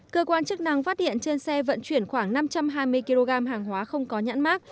cơ quan chức năng phát hiện trên xe vận chuyển khoảng năm trăm hai mươi kg hàng hóa không có nhãn mát